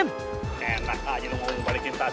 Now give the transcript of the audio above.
enak aja lo mau balikin tas